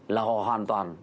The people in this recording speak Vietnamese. là họ hoàn toàn